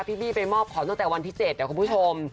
พี่บี้ไปมอบของตั้งแต่วันที่๗นะคุณผู้ชม